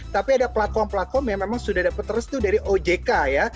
tapi ada platform platform yang memang sudah dapat restu dari ojk ya